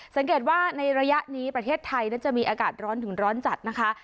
สังเกตว่าในระยะนี้ประเทศไทยนั้นจะมีอากาศร้อนถึงร้อนจัดนะคะ